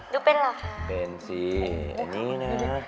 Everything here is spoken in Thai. ดูเป็นเหรอ